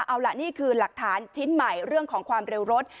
เอาล่ะนี่คือหลักฐานชิ้นใหม่เรื่องของความเร็วรถ